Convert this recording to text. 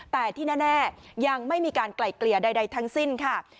แต่ที่แน่ยังไม่มีการไกล่เกลี่ยใดทั้งสิ้นค่ะ